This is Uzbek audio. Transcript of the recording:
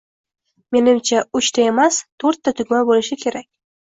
Menimcha uch ta emas, to’rt ta tugma bo‘lishi kerak